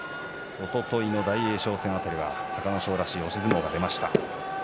おとといの大栄翔戦辺りは隆の勝らしい押し相撲が出ました。